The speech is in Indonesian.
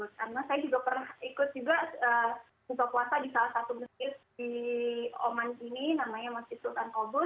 karena saya juga pernah ikut juga buka puasa di salah satu mesjid di oman ini namanya masjid sultan qobuz